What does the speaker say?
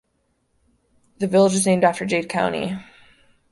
The village is named after Dade County.